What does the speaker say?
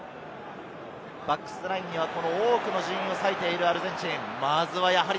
バックスのラインには多くの人員を割いているアルゼンチン。